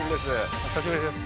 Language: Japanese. お久しぶりです